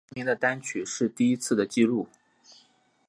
前十名的单曲是第一次的记录。